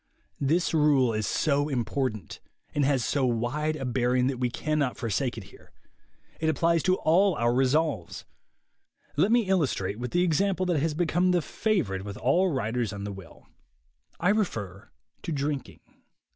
This rule is so important, and has so wide a bearing, that we cannot forsake it here. It applies to all our resolves. Let me illustrate with the example that has become the favorite with all writers on will. I refer to drinking.